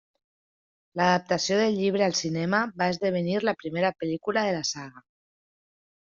L'adaptació del llibre al cinema va esdevenir la primera pel·lícula de la saga.